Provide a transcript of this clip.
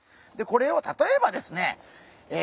これを例えばですねえ